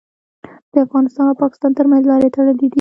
د افغانستان او پاکستان ترمنځ لارې تړلي دي.